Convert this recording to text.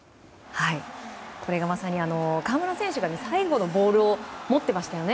これがまさに河村選手が最後のボールを持ってましたよね。